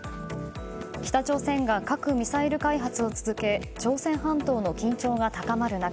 北朝鮮が核・ミサイル開発を続け朝鮮半島の緊張が高まる中